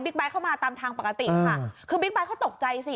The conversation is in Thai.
ไทเข้ามาตามทางปกติค่ะคือบิ๊กไบท์เขาตกใจสิ